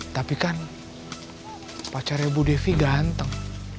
tapi kan pacarnya bu devi ganteng